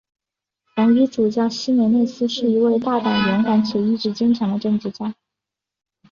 红衣主教希梅内斯是一位大胆勇敢且意志坚强的政治家。